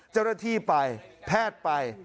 เจ้าหน้าที่ไปแพทย์ไป